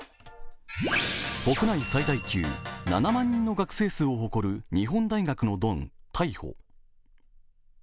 国内最大級、７万人の学生数を誇る日本大学のドン、逮捕。